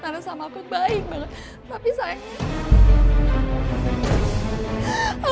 tante sama aku baik banget tapi sayangnya